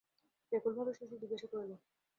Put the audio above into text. ব্যাকুলভাবে শশী জিজ্ঞাসা করিল।